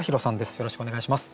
よろしくお願いします。